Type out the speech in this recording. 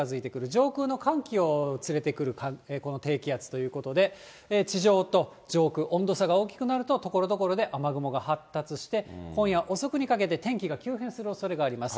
上空の寒気を連れてくる、この低気圧ということで、地上と上空、温度差が大きくなると、ところどころで雨雲が発達して、今夜遅くにかけて、天気が急変するおそれがあります。